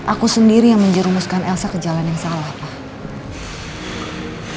aku sendiri yang menjerumuskan elsa ke jalan yang salah pak